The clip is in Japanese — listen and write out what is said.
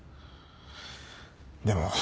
でも。